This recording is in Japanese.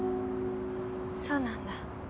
そうなんだ。